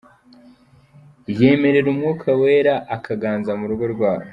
Yemerera Umwuka Wera akaganza mu rugo rwabo.